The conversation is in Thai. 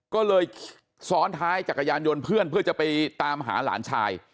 ก็เลยซ้อนท้ายจักรยานยนต์เพื่อนเพื่อจะไปตามหาหลานชาย